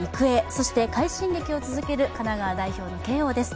そして快進撃を続ける神奈川代表の慶応です。